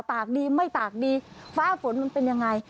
ตากดีไม่ตากดีฟ้าฝนมันเป็นยังไง